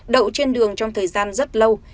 đậu trên đường trong thời gian rất lâu